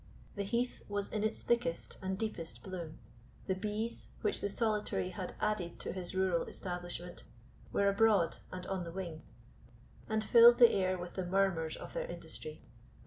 The heath was in its thickest and deepest bloom. The bees, which the Solitary had added to his rural establishment, were abroad and on the wing, and filled the air with the murmurs of their industry.